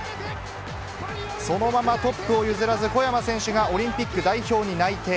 そのままトップを譲らず、小山選手がオリンピック代表に内定。